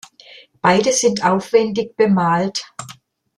Beide sind aufwendig bemalt.